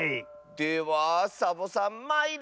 ではサボさんまいれ！